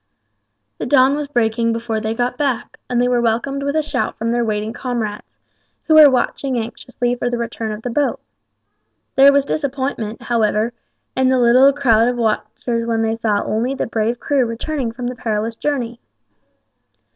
The dawn was breaking before they got back, and they were welcomed with a shout from their waiting comrades, who were watching anxiously for the return of the boat. There was disappointment, however, in the little crowd of watchers when they saw only the brave crew returning from the perilous journey.